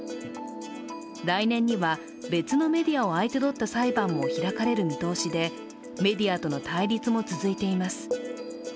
来年には、別のメディアを相手取った裁判も開かれる見通しでメディアとの対立も続いています。